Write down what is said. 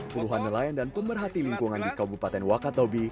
puluhan nelayan dan pemerhati lingkungan di kabupaten wakatobi